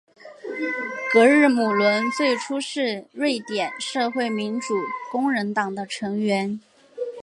格日姆伦最初是瑞典社会民主工人党的成员。